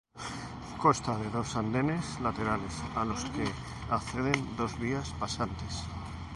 Consta de dos andenes laterales a los que acceden dos vías pasantes.